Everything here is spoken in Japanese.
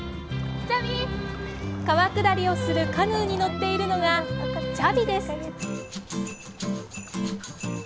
川下りをするカヌーに乗っているのがチャビです。